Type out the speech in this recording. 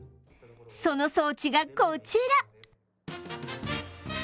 その装置が、こちら！